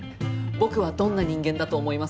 僕はどんな人間だと思いますか？